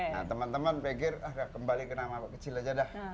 nah teman teman pikir ah udah kembali ke nama kecil aja dah